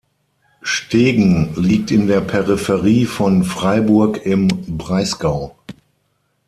Stegen liegt in der Peripherie von Freiburg im Breisgau.